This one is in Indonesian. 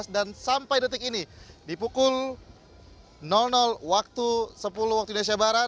dan sampai detik ini di pukul sepuluh wib